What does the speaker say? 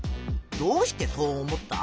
どうしてそう思った？